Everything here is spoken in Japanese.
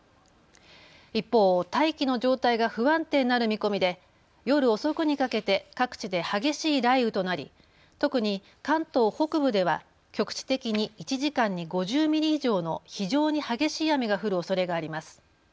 一方、大気の状態が不安定になる見込みで夜遅くにかけて各地で激しい雷雨となり特に関東北部では局地的に１時間に５０ミリ以上の非常に激しい雨が降るおそれがあります。